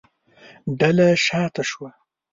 ډله شا ته شوه.